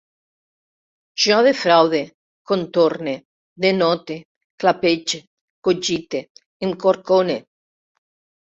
Jo defraude, contorne, denote, clapege, cogite, em corcone